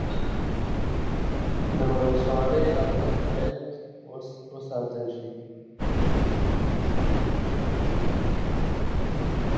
د ولسواکۍ ارزښت باید وساتل شي